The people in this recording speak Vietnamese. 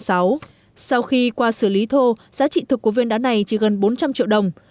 sau khi qua xử lý thô giá trị thực của viên đá này chỉ gần bốn trăm linh triệu đồng